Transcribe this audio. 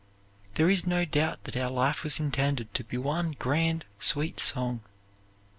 There is no doubt that our life was intended to be one grand, sweet song.